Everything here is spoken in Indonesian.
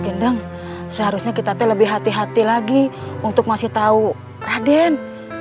gendeng seharusnya kita teh lebih hati hati lagi untuk ngasih tahu raden